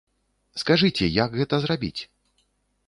Скажыце, як гэта зрабіць?